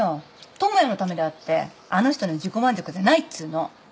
智也のためであってあの人の自己満足じゃないっつうの。